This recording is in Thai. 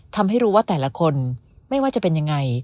ทำให้รู้ว่าแต่ละคนไม่ว่าจะเป็นยังไง